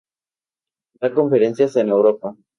Da conferencias en Europa.